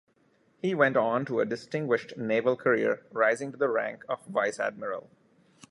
He went on to a distinguished naval career, rising to the rank of vice-admiral.